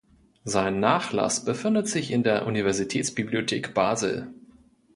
Sein Nachlass befindet sich in der Universitätsbibliothek Basel.